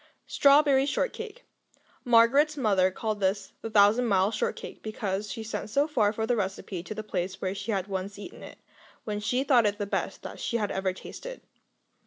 Strawberry Shortcake Margaret's mother called this the Thousand Mile Shortcake, because she sent so far for the recipe to the place where she had once eaten it, when she thought it the best she had ever tasted.